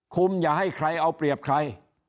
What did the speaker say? อย่าให้ใครเอาเปรียบใคร